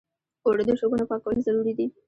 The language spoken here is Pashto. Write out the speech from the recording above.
اوړه د شګو نه پاکول ضروري دي